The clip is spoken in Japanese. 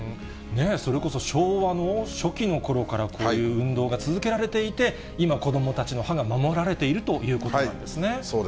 それこそ昭和の初期のころから、こういう運動が続けられていて、今、子どもたちの歯が守られそうですね。